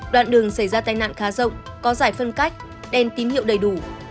đoạn đường xảy ra tai nạn khá rộng có giải phân cách đen tín hiệu đầy đủ